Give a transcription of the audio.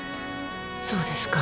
そうですか。